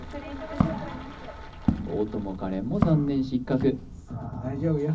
大友花恋も残念失格大丈夫よ